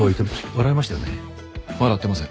笑ってません。